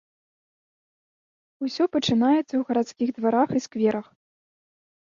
Усё пачынаецца ў гарадскіх дварах і скверах.